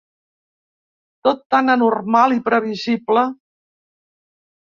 Tot tan anormal i previsible!